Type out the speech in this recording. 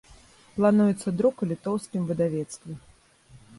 Плануецца друк у літоўскім выдавецтве.